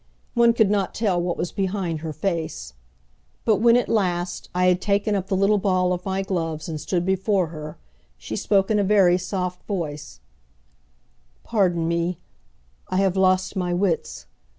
One could not tell what was behind her face. But when, at last, I had taken up the little ball of my gloves and stood before her, she spoke in a very soft voice: "Pardon me, I have lost my wits.